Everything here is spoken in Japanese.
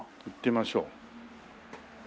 行ってみましょう。